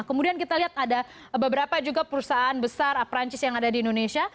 kemudian kita lihat ada beberapa juga perusahaan besar perancis yang ada di indonesia